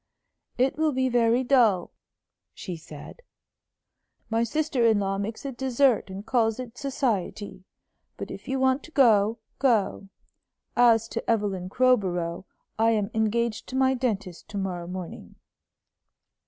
"It will be very dull," she said. "My sister in law makes a desert and calls it society. But if you want to go, go. As to Evelyn Crowborough, I am engaged to my dentist to morrow morning."